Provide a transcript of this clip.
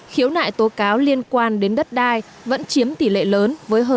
khiếu nại tố cáo liên quan đến đất đai vẫn chiếm tỷ lệ lớn với hơn bảy mươi